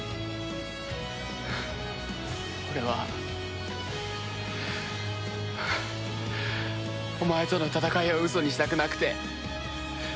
俺はお前との戦いをウソにしたくなくて。